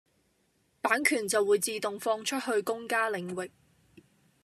版權就會自動放出去公家領域。